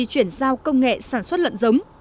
chuyển giao công nghệ sản xuất lợn giống